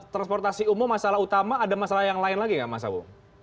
transportasi umum masalah utama ada masalah yang lain lagi nggak mas abu